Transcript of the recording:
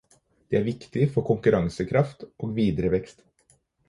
Det er viktig for konkurransekraft og videre vekst.